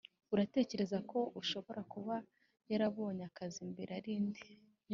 Uratekereza ko ushobora kuba yarabonye akazi mbere ari nde